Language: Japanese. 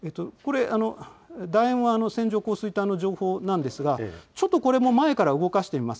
だ円は線状降水帯の情報なんですが、ちょっとこれも前から動かしてみます。